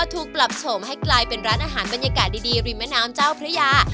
ถูกปรับโฉมให้กลายเป็นร้านอาหารบรรยากาศดีริมแม่น้ำเจ้าพระยา